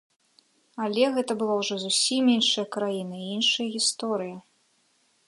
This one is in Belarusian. Але гэта была ўжо зусім іншая краіна і іншая гісторыя.